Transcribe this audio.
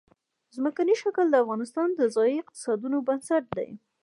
ځمکنی شکل د افغانستان د ځایي اقتصادونو بنسټ دی.